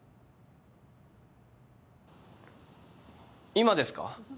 今ですか？